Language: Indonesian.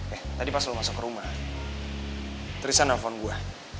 eh tadi pas lo masuk ke rumah trisak nelfon gue